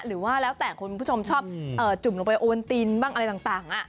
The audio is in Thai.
หรือว่าแล้วแต่คุณผู้ชมชอบจุ่มลงไปโอเวนตินบ้างอะไรต่าง